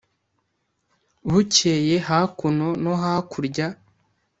búkeye hakuno nó hakurya